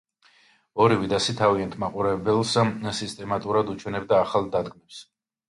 ორივე დასი თავიანთ მაყურებელს სისტემატურად უჩვენებდა ახალ დადგმებს.